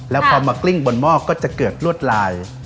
แล้วพอมากลิ้งบนหม้อก็จะเกิดลวดลาย